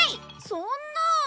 そんなあ。